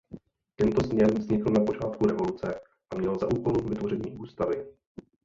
Tento sněm vznikl na počátku revoluce a měl za úkol vytvoření ústavy.